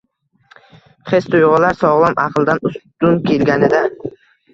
Xis-tuyg‘ular sog‘lom aqldan ustun kelganida